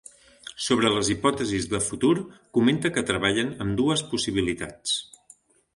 Sobre les hipòtesis de futur, comenta que treballen amb dues possibilitats.